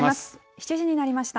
７時になりました。